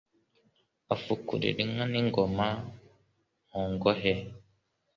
Afukurira inka n'ingoma mu ngohe